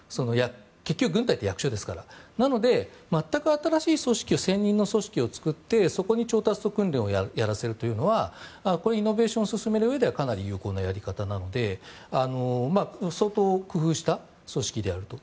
結局、軍隊って役所ですからなので、全く新しい専任の組織を作ってそこに調達と訓練をやらせるというのはこれはイノベーションを進めるうえではかなり有効なやり方なので相当工夫した組織であると。